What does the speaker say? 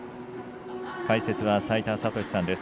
解説は齋田悟司さんです。